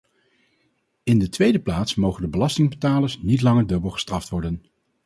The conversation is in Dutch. In de tweede plaats mogen de belastingbetalers niet langer dubbel gestraft worden.